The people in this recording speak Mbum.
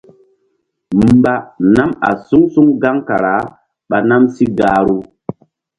Mba nam a suŋ suŋ gaŋ kara ɓa nam sí gahru.